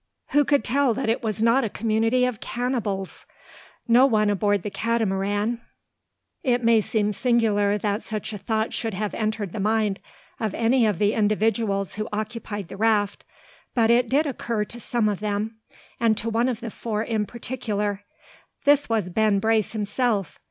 Who could tell that it was not a community of Cannibals. No one aboard the Catamaran. It may seem singular that such a thought should have entered the mind of any of the individuals who occupied the raft. But it did occur to some of them; and to one of the four in particular. This was Ben Brace himself.